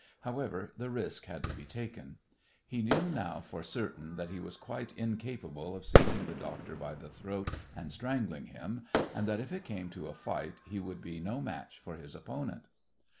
However, the risk had to be taken. He knew now for certain that he was quite incapable of seizing the doctor by the throat and strangling him, and that if it came to a fight he would be no match for his opponent.